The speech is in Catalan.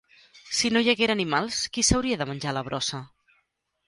Si no hi haguera animals, qui s'hauria de menjar la brossa?